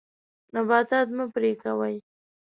نباتات مه پرې کوئ.